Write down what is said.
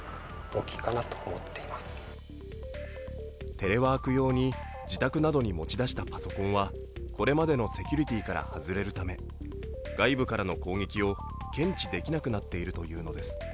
テレワーク用に自宅などに持ち出したパソコンはこれまでのセキュリティーから外れるため、外部からの攻撃を検知できなくなっているというのです。